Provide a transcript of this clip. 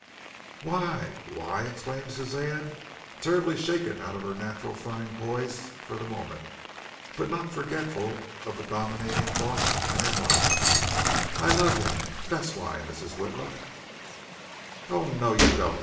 "Why, why," exclaimed Suzanne, terribly shaken out of her natural fine poise for the moment but not forgetful of the dominating thought in her mind, "I love him; that's why, Mrs. Witla." "Oh, no, you don't!